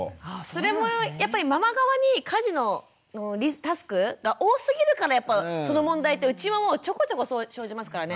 それもやっぱりママ側に家事のタスクが多すぎるからやっぱその問題ってうちもちょこちょこ生じますからね。